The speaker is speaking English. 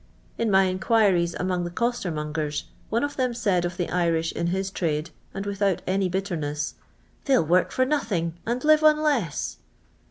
In my inquiries among the costermongers, one of them said of the Irish in his trade, and without any bitterness, " they *11 work for nothing, and live on less.